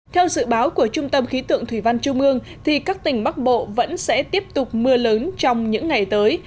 theo dự báo của trung tâm khí tượng thủy văn trung ương thì các tỉnh bắc bộ vẫn sẽ tiếp tục mưa lớn trong những ngày tới